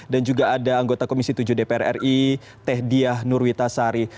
dan juga ada anggota komisi tujuh dpr ri teh diah nurwita sari